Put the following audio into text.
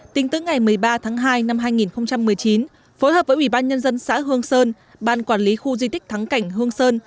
tính tới ngày một mươi ba tháng hai năm hai nghìn một mươi chín phối hợp với ủy ban nhân dân xã hương sơn ban quản lý khu di tích thắng cảnh hương sơn